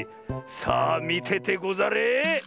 さあみててござれ！